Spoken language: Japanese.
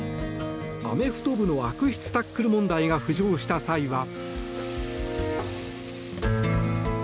アメフト部の悪質タックル問題が浮上した際は。